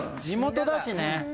地元だしね。